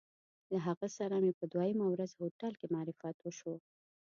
له هغه سره مې په دویمه ورځ هوټل کې معرفت وشو.